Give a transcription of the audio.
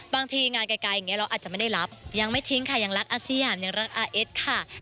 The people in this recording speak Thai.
บางทีงานไกลอย่างนี้เราอาจจะไม่ได้รับยังไม่ทิ้งค่ะยังรักอาสยามยังรักอาเอสค่ะ